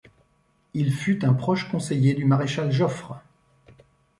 Il fut un proche conseiller du Maréchal Joffre.